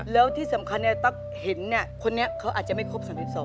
แล้วที่สำคัญเนี่ยตั๊กเห็นคนนี้เขาอาจจะไม่ครบ๓๒